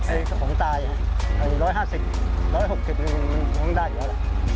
ถ้าผลตาย๑๕๐๑๖๐บาทมันได้อยู่แล้ว